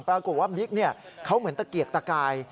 ปรากฏว่าบิ๊กเขาเหมือนตะเกียกตะกาย